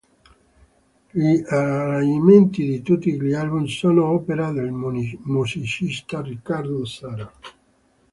Gli arrangiamenti di tutti gli album sono opera del musicista Riccardo Zara.